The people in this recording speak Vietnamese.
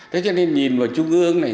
thế cho nên nhìn vào trung ương này